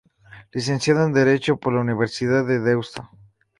Licenciado en Derecho por la Universidad de Deusto.